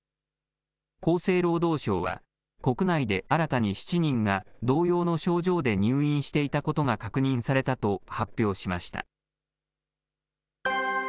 厚生労働省は、国内で新たに７人が同様の症状で入院していたことが確認されたと発表しました。